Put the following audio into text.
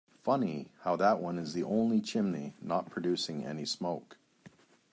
Funny how that one is the only chimney not producing any smoke.